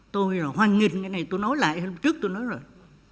tôi là hoan nghìn cái này tôi nói lại hôm trước tôi nói rồi